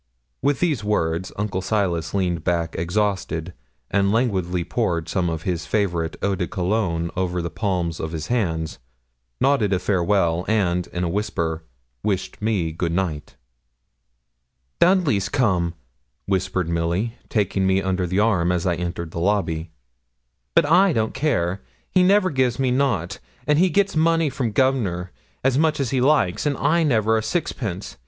With these words Uncle Silas leaned back exhausted, and languidly poured some of his favourite eau de cologne over the palms of his hands, nodded a farewell, and, in a whisper, wished me good night. 'Dudley's come,' whispered Milly, taking me under the arm as I entered the lobby. 'But I don't care: he never gives me nout; and he gets money from Governor, as much as he likes, and I never a sixpence.